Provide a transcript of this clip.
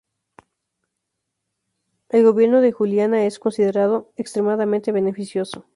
El gobierno de Juliana es considerado extremadamente beneficioso.